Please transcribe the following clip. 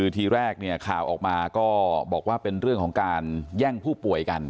ทีแรกเนี่ยข่าวออกมาก็บอกว่าเป็นเรื่องของการแย่งผู้ป่วยกัน